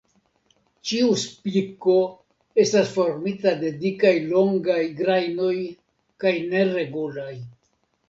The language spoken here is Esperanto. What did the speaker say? Ĉiu spiko estas formita de dikaj longaj grajnoj kaj neregulaj.